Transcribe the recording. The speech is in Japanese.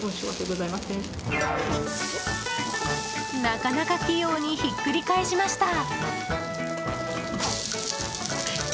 なかなか器用にひっくり返しました。